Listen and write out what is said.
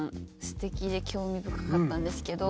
素敵で興味深かったんですけど。